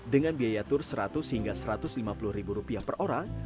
dengan biaya tur seratus hingga satu ratus lima puluh ribu rupiah per orang